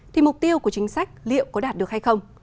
thì mục tiêu của chính sách liệu có đạt được hay không